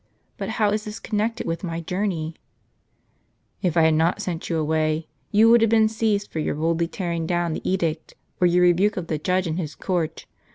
But how is this connected with my journey ?"" If I had not sent you away, you would have been seized for your boldly tearing down the edict, or your rebuke of the judge in his court.